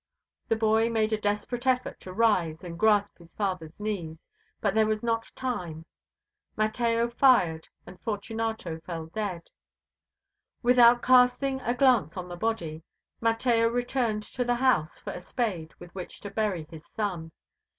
The boy made a desperate effort to rise and grasp his father's knees, but there was not time. Mateo fired and Fortunato fell dead. Without casting a glance on the body, Mateo returned to the house for a spade with which to bury his son.